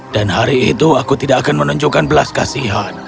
dan hari itu aku tidak akan menunjukkan belas kasihan